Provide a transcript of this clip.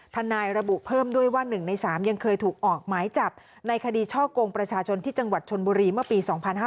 ทนายระบุเพิ่มด้วยว่า๑ใน๓ยังเคยถูกออกหมายจับในคดีช่อกงประชาชนที่จังหวัดชนบุรีเมื่อปี๒๕๕๙